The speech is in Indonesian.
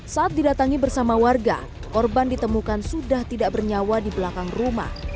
saat didatangi bersama warga korban ditemukan sudah tidak bernyawa di belakang rumah